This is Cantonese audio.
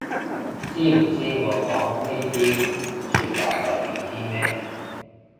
知唔知我講呢啲說話代表啲咩